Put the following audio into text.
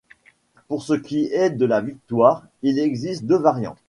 Pour ce qui est de la victoire, il existe deux variantes.